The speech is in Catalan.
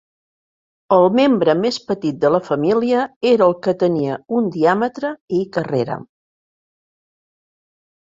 El membre més petit de la família era el que tenia un diàmetre i carrera.